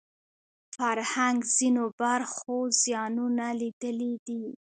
فرهنګ ځینو برخو زیانونه لیدلي دي